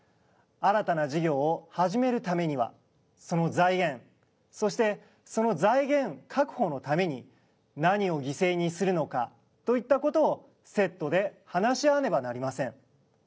新たな事業を始めるためにはその財源そしてその財源確保のために何を犠牲にするのかといった事をセットで話し合わねばなりません。